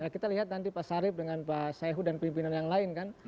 kita lihat nanti pak sarip dengan pak saihu dan pimpinan yang lain kan